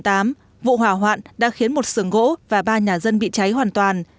theo ubnd quận tám vụ hỏa hoạn đã khiến một sườn gỗ và ba nhà dân bị cháy hoàn toàn